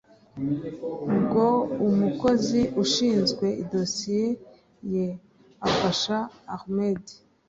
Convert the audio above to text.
ubwo umukozi ushinzwe idosiye ye afasha ahmed